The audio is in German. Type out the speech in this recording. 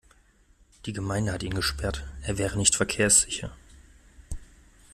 Die Gemeinde hat ihn gesperrt. Er wäre nicht verkehrssicher.